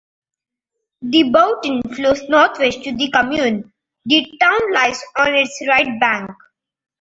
The Boutonne flows northwest through the commune; the town lies on its right bank.